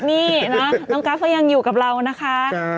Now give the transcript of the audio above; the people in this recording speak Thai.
นี่นะน้องกราฟก็ยังอยู่กับเรานะคะ